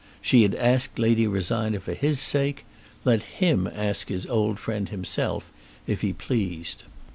She had asked Lady Rosina for his sake. Let him ask his old friend himself if he pleased.